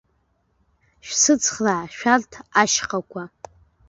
Шәсыцхраа, шәарҭ ашьхақәа!